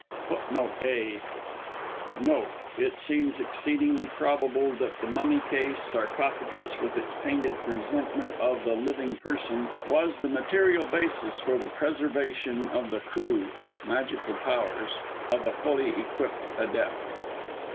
"[A] [Footnote A: Note. "It seems exceedingly probable that ... the mummy case (sarcophagus), with its painted presentment of the living person, was the material basis for the preservation of the ... Khu (magical powers) of a fully equipped Adept."